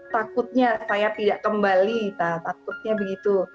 takutnya saya tidak kembali takutnya begitu